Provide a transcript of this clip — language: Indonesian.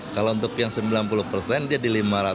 kalau untuk yang sembilan puluh persen dia di lima ratus